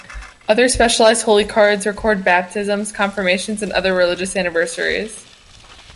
Other specialized holy cards record baptisms, confirmations, and other religious anniversaries.